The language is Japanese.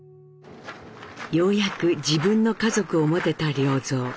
ようやく自分の家族を持てた良三。